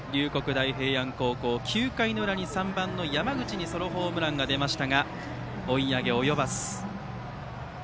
大平安高校、９回の裏に３番の山口にソロホームランが出ましたが追い上げ及ばず。